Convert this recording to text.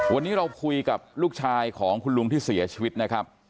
วันนี้เราคุยกับลูกชายของคุณลุงที่เสียชีวิตนะครับ